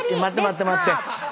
待って待って待って。